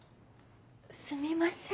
すみません。